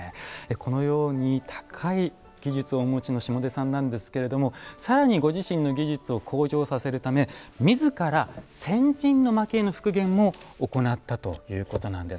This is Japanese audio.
このように高い技術をお持ちの下出さんなんですけれども更にご自身の技術を向上させるため自ら先人の蒔絵の復元も行ったということなんです。